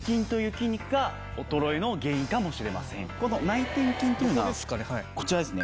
内転筋っていうのはこちらですね。